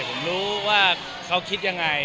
ผมรู้ว่าเขาคิดยังไง